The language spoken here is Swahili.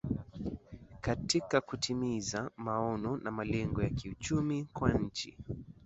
katika kutimiza maono na malengo ya kiuchumi kwa nchi